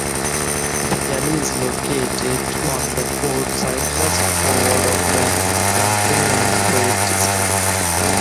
The galley is located on the port side just forward of the companionway steps.